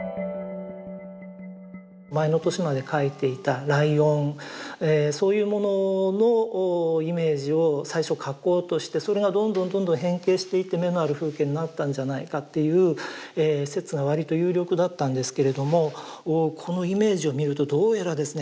前の年まで描いていた「ライオン」そういうもののイメージを最初描こうとしてそれがどんどんどんどん変形していって「眼のある風景」になったんじゃないかっていう説が割と有力だったんですけれどもこのイメージを見るとどうやらですね